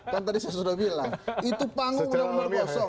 kan tadi saya sudah bilang itu panggung yang bergosok